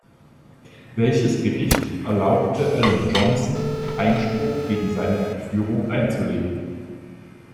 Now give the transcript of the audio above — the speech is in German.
Welches Gericht erlaubte Alan Johnson, Einspruch gegen seine Entführung einzulegen?